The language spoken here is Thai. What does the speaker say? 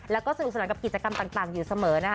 แล้วก็สนุกสนานกับกิจกรรมต่างอยู่เสมอนะคะ